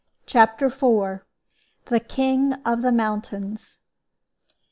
CHAPTER IV THE "KING OF THE MOUNTAINS."